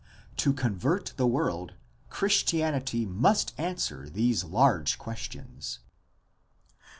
To convert the world Christianity must answer these large questions.